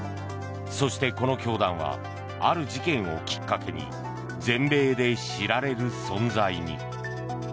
そして、この教団はある事件をきっかけに全米で知られる存在に。